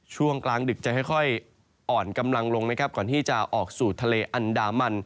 ช่วงกลางดึกจะค่อยอ่อนกำลังลงนะครับก่อนที่จะออกสู่ทะเลอันดามัน